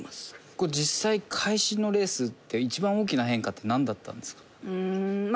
清水：これ、実際会心のレースって一番大きな変化ってなんだったんですか？